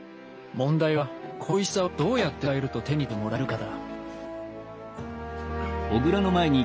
問題はこのおいしさをどうやって伝えると手に取ってもらえるかだ